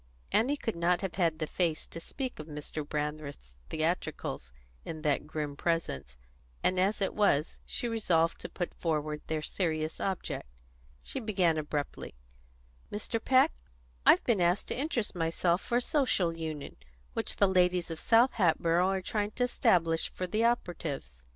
Annie could not have had the face to speak of Mr. Brandreth's theatricals in that grim presence; and as it was, she resolved to put forward their serious object. She began abruptly: "Mr. Peck, I've been asked to interest myself for a Social Union which the ladies of South Hatboro' are trying to establish for the operatives.